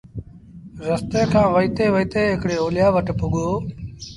رستي کآݩ وهيٚتي وهيٚتي هڪڙي اوليآ وٽ پُڳو